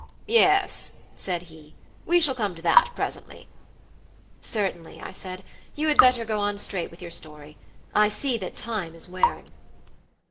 "Yes," said he, "we shall come to that presently." "Certainly," I said, "you had better go on straight with your story. I see that time is wearing."